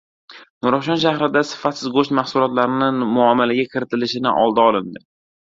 Nurafshon shahrida sifatsiz go‘sht mahsulotlarining muomalaga kiritilishining oldi olindi